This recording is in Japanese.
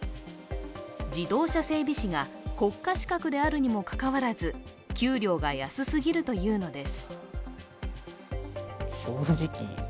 自動車整備士が国家資格であるにもかかわらず、給料が安すぎるというのです。